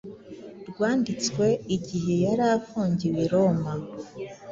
rwanditswe igihe yari afungiwe i Roma.